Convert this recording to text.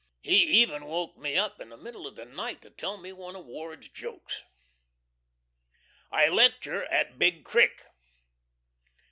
He even woke me up in the middle of the night to tell me one of Ward's jokes. .... I lecture at Big Creek.